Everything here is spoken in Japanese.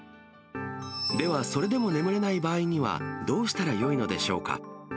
ではそれでも眠れない場合にはどうしたらよいのでしょうか。